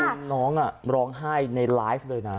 คือน้องร้องไห้ในไลฟ์เลยนะ